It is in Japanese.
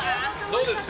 どうですか？